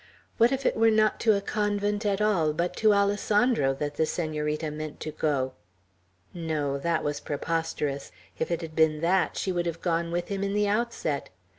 What if it were not to a convent at all, but to Alessandro, that the Senorita meant to go! No; that was preposterous. If it had been that, she would have gone with him in the outset.